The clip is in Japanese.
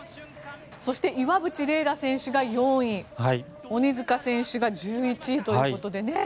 そして岩渕麗楽選手が４位鬼塚選手が１１位ということで。